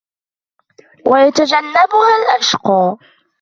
وَيَتَجَنَّبُهَا الْأَشْقَى